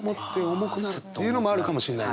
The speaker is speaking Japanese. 重くなるというのもあるかもしれないね。